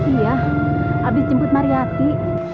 iya habis jemput mariati